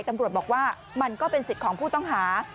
ตำรวจบอกว่ามันก็เป็นสิทธิ์ของผู้ต้องหา